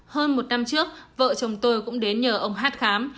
hơn một năm trước vợ chồng tôi cũng đến nhờ ông hát khám